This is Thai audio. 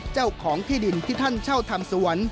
เจ้าของที่ดินที่ท่านเช่าทำสวน